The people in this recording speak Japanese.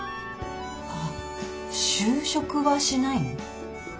あっ就職はしないの？